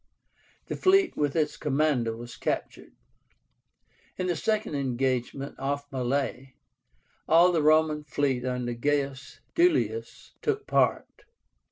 The fleet with its commander was captured. In the second engagement, off Mylae, all the Roman fleet under GAIUS DUILIUS took part.